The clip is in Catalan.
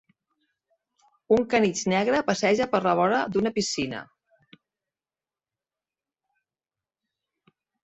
Un canitx negre passeja per la vora d'una piscina.